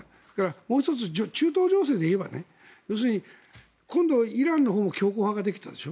もう１つ、中東情勢でいえば今度イランのほうに強硬派ができたでしょ。